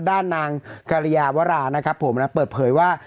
ด้านนางกรยาวรานะครับผมเปิดเผยว่า